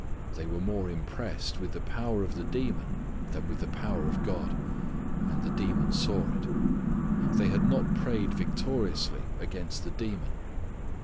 They were more impressed with the power of the demon than with the power of God. And the demon saw it. They had not prayed victoriously against the demon.